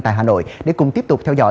tại hà nội để cùng tiếp tục theo dõi